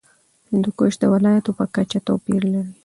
هندوکش د ولایاتو په کچه توپیر لري.